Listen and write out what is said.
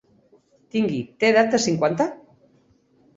Tingui, té edat de cinquanta?